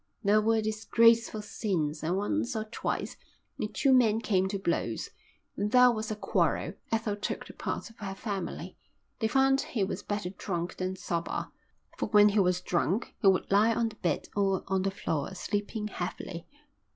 There were disgraceful scenes and once or twice the two men came to blows. When there was a quarrel Ethel took the part of her family. They found he was better drunk than sober, for when he was drunk he would lie on the bed or on the floor, sleeping heavily.